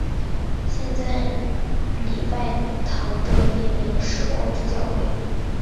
现在礼拜堂的别名是光之教会。